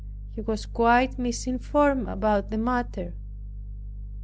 He was quite misinformed about the matter.